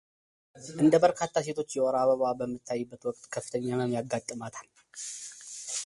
እንደ በርካታ ሴቶች የወር አበባዋ በምታይበት ወቅት ከፍተኛ ህመም ያጋጥማታል።